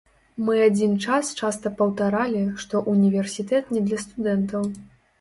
Мы адзін час часта паўтаралі, што ўніверсітэт не для студэнтаў.